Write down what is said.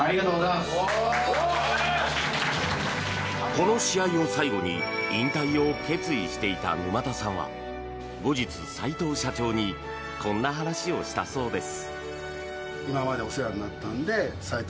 この試合を最後に引退を決意していた沼田さんは後日、斎藤社長にこんな話をしたそうです。